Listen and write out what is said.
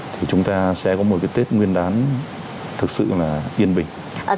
thì chúng ta sẽ có một cái tết nguyên đán thực sự là yên bình